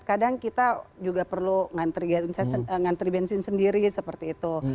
kadang kita juga perlu ngantri bensin sendiri seperti itu